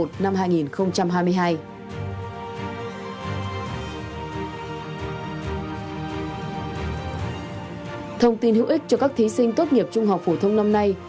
thông tin hữu ích cho các thí sinh tốt nghiệp trung học phổ thông năm nay